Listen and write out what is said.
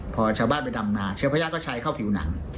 พอชาวบ้านไปดำนาเชื้อพระยาก็ใช้เข้าผิวหนัง